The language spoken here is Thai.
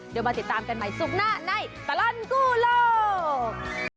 เดี๋ยวมาติดตามกันใหม่ศุกร์หน้าในตลอดกู้โลก